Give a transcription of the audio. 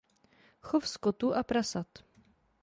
Chov skotu a prasat.